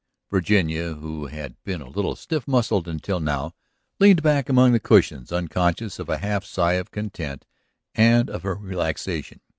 Virginia, who had been a little stiff muscled until now, leaned back among the cushions unconscious of a half sigh of content and of her relaxation.